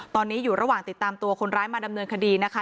ตอนนี้อยู่ระหว่างติดตามตัวคนร้ายมาดำเนินคดีนะคะ